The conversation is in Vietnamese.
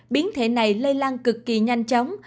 biến thể này lây lan cực kỳ nhanh chóng